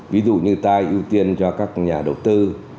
ví dụ như ta ưu tiên cho các nhà đầu tư